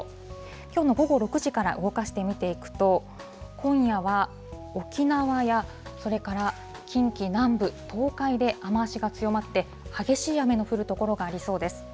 きょうの午後６時から動かして見ていくと、今夜は沖縄やそれから近畿南部、東海で雨足が強まって、激しい雨の降る所がありそうです。